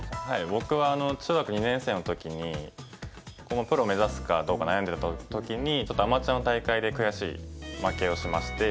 僕は中学２年生の時に今後プロ目指すかどうか悩んでる時にちょっとアマチュアの大会で悔しい負けをしまして。